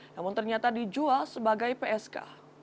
namun ternyata dijual sebagai psk